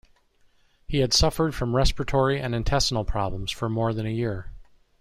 He had suffered from respiratory and intestinal problems for more than a year.